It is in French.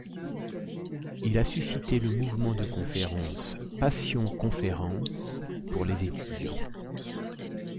Il a suscité le mouvement de conférences Passion Conferences pour les étudiants.